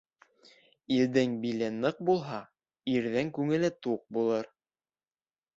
Илдең биле ныҡ булһа, ирҙең күңеле туҡ булыр.